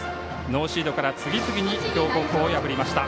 ノーシードから次々に強豪校を破りました。